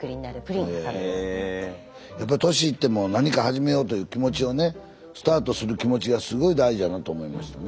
やっぱ年いっても何か始めようという気持ちをねスタートする気持ちがすごい大事やなと思いましたね。